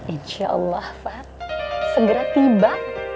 insya allah fad segera tiba